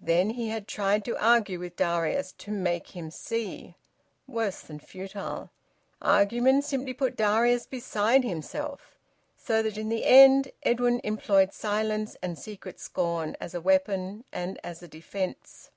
Then he had tried to argue with Darius, to `make him see'! Worse than futile! Argument simply put Darius beside himself. So that in the end Edwin employed silence and secret scorn, as a weapon and as a defence.